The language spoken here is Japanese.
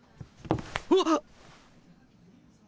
うわっ。